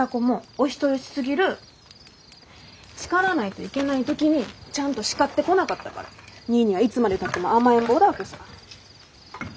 叱らないといけない時にちゃんと叱ってこなかったからニーニーはいつまでたっても甘えん坊だわけさ。